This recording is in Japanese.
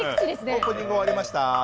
オープニング終わりましたって感じで。